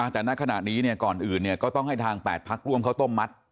แต่ณขณะนี้ก่อนอื่นก็ต้องให้ทาง๘พักร่วมข้าวต้มมัด